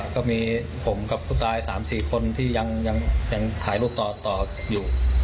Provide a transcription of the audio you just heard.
ก็มีผมกับผู้ตาย๓๔คนที่ยังถ่ายรูปต่ออยู่